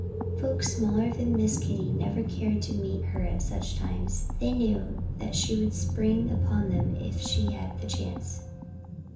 Folk smaller than Miss Kitty never cared to meet her at such times. They knew that she would spring upon them if she had a chance.